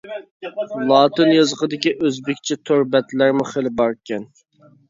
لاتىن يېزىقىدىكى ئۆزبېكچە تور بەتلەرمۇ خېلى باركەن.